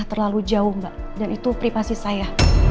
terlalu jauh mbak dan itu privasi saya